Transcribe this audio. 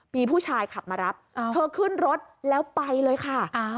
มีผู้ชายขับมารับเธอขึ้นรถแล้วไปเลยค่ะ